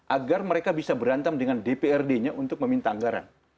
agar mereka bisa berantem dengan dprd nya untuk meminta anggaran